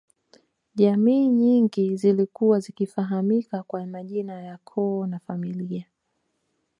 Jamii nyingi zilikuwa zikifahamika kwa majina ya Koo na familia